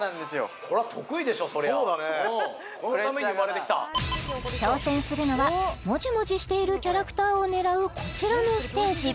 このために生まれてきたプレッシャーだな挑戦するのはモジモジしているキャラクターを狙うこちらのステージ